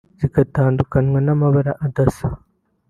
zigatandukanywa n’amabara adasa